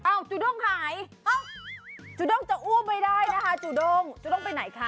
จุด้งหายจูด้งจะอ้วมไม่ได้นะคะจูด้งจูด้งไปไหนคะ